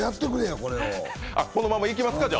このままいきますか？